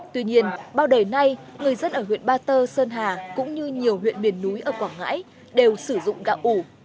tuy nhiên bao đời nay người dân ở huyện ba tơ sơn hà cũng như nhiều huyện miền núi ở quảng ngãi đều sử dụng gạo ủ